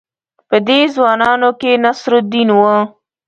په دې ځوانانو کې نصرالدین وو.